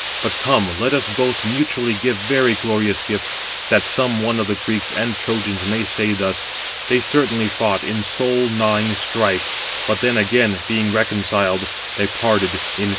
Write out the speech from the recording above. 260 But come, let us both mutually give very glorious gifts, that some one of the Greeks and Trojans may say thus: 'They certainly fought in a soul gnawing strife, but then again being reconciled, they parted in friendship.